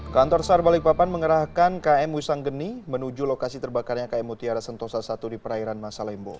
kantor sar balikpapan mengerahkan km wisanggeni menuju lokasi terbakarnya km mutiara sentosa i di perairan masalembo